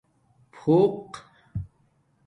پھوق